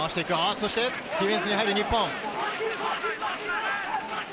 そしてディフェンスに入る日本。